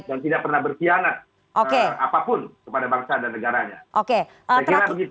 dan tidak pernah bersianat apapun kepada bangsa dan negaranya